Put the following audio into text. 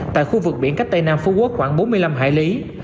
tại khu vực biển cách tây nam phú quốc khoảng bốn mươi năm hải lý